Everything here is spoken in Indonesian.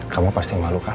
kamu pasti malu kan